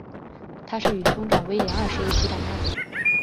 她是与长兄威廉二世一起成长的。